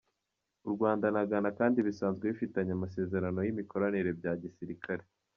U Rwanda na Ghana kandi bisanzwe bifitanye amasezerano y’imikoranire mu bya gisirikare.